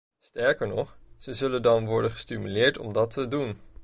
Sterker nog, ze zullen dan worden gestimuleerd om dat te doen.